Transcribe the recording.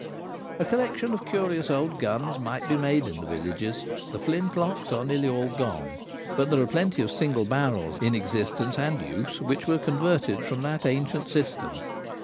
A collection of curious old guns might be made in the villages ; the flint locks are nearly all gone, but there are plenty of single barrels in existence and use which were converted from that ancient system.